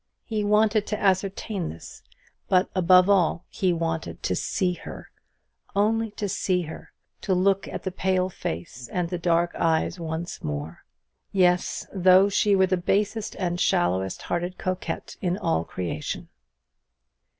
He wanted to ascertain this; but above all, he wanted to see her only to see her; to look at the pale face and the dark eyes once more. Yes, though she were the basest and shallowest hearted coquette in all creation.